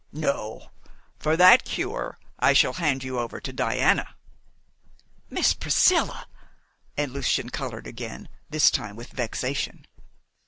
"No. For that cure I shall hand you over to Diana." "Miss Priscilla!" And Lucian coloured again, this time with vexation.